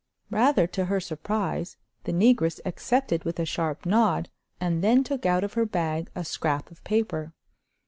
Rather to her surprise, the negress accepted with a sharp nod, and then took out of her bag a scrap of paper.